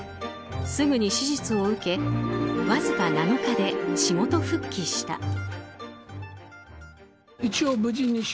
すぐに手術を受けわずか７日で仕事復帰した。